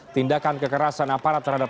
tindakan kekerasan aparat terhadap